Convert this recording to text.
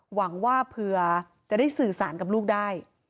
หวังว่าเผื่อจะได้สื่อสารกับลูกได้